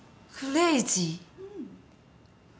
うん。